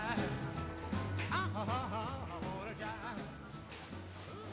あっ！